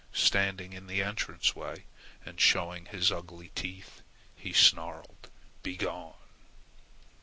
Standing in the entrance way and showing his ugly teeth, he snarled, "Be gone!"